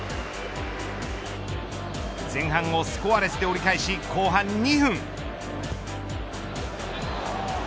前半をスコアレスで折り返し後半２分。